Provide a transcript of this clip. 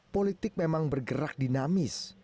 politik memang bergerak dinamis